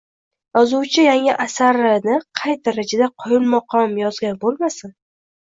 yozuvchi yangi asarini qay darajada qoyilmaqom yozgan boʻlmasin